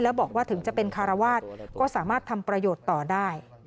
แล้วบอกว่าถึงจะเป็นคารวาสก็สามารถทำประโยชน์ต่อได้